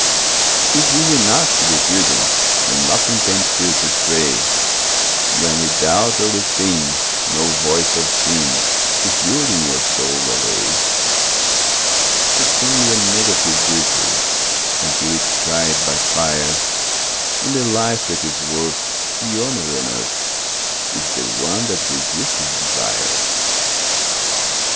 It is easy enough to be prudent When nothing tempts you to stray, When without or within no voice of sin Is luring your soul away; But it's only a negative virtue Until it is tried by fire, And the life that is worth the honour on earth Is the one that resists desire.